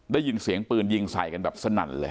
ได้ยินเสียงปืนยิงใส่กันแบบสนั่นเลย